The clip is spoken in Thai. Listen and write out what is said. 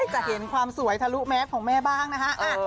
จะเห็นความสวยทะลุแมสของแม่บ้างนะคะ